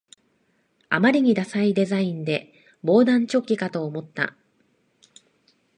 あまりにダサいデザインで防弾チョッキかと思った